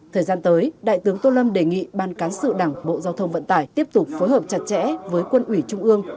thời gian tới đại tướng tô lâm đề nghị ban cán sự đảng bộ giao thông vận tải tiếp tục phối hợp chặt chẽ với quân ủy trung ương